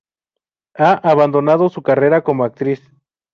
Ha abandonado su carrera como actriz.